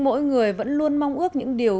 mỗi người vẫn luôn mong ước những điều